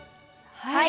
はい！